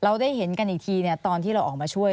ได้เห็นกันอีกทีตอนที่เราออกมาช่วย